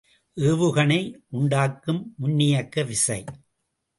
ஏவுகணை உண்டாக்கும் முன்னியக்கு விசை.